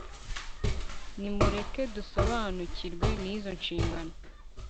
nimureke dusobanukirwe n'izo nshingano